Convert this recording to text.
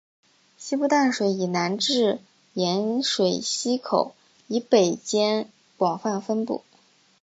西部淡水以南至盐水溪口以北间广泛分布。